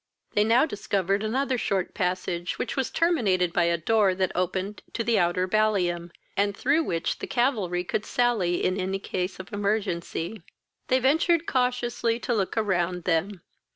They now discovered another short passage, which was terminated by a door that opened to the outer ballium, and through which the cavalry could sally in any case of emergency. They ventured cautiously to look around them.